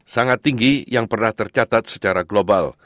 sangat tinggi yang pernah tercatat secara global